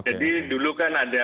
jadi dulu kan ada